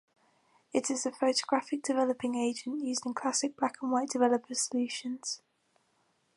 It is a photographic developing agent used in classic black-and-white developer solutions.